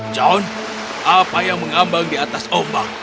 john apa yang mengambang di atas ombak